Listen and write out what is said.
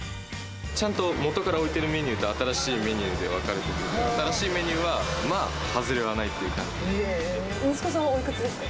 ちゃんと元から置いてるメニューと、新しいメニューで分かれてて、新しいメニューは、まあ外息子さんはおいくつですか？